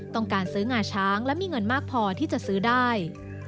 ต้องการซื้องาช้างและมีเงินมากพอที่จะซื้อได้